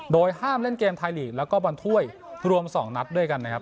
โดยห้ามเล่นเกมไทยลีกแล้วก็บอลถ้วยรวม๒นัดด้วยกันนะครับ